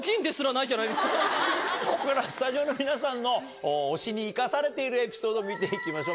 ここからスタジオの皆さんの推しに生かされているエピソード見て行きましょう